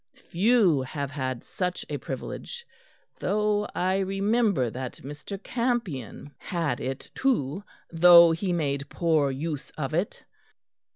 Few have had such a privilege, though I remember that Mr. Campion had it too, though he made poor use of it."